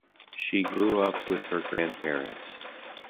She grew up with her grandparents.